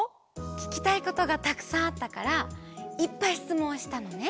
ききたいことがたくさんあったからいっぱいしつもんをしたのね。